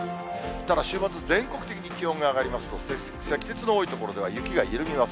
ただ週末、全国的に気温が上がりますと、積雪の多い所では雪が緩みます。